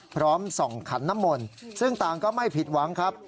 พร้อมส่องขันน้ำมนต์ซึ่งต่างก็ไม่ผิดหวังครับ